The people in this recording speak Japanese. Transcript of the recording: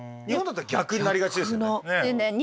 日本だったら逆になりがちですよね。